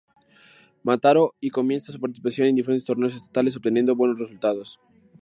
Mataró, y comienza su participación en diferentes torneos estatales obteniendo buenos resultados.